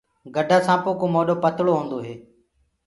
گَڊآ سآنپو ڪو موڏو پتݪو هوندو هي۔